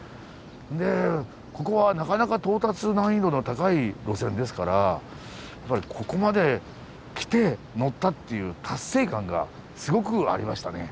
でここはなかなか到達難易度の高い路線ですからやっぱりここまで来て乗ったっていう達成感がすごくありましたね。